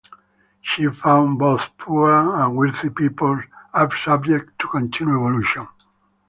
She found both poor and wealthy people are subject to continued evolution.